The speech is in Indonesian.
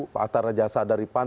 pak aktar rajasa dari pan